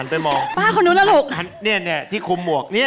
กว่าน้องเชียร์จะมาที่เชียร์